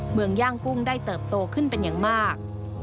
เมืองย่างกุ้งได้เติบโตขึ้นเป็นอย่างมาก